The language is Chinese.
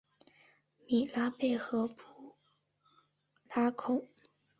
米拉贝和布拉孔。